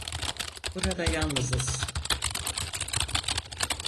Burada yalnızız.